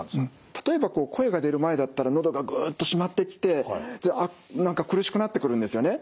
例えば声が出る前だったら喉がグッとしまってきて何か苦しくなってくるんですよね。